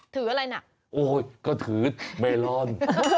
ถืออะไรน่ะโอ้ยก็ถือเมลอน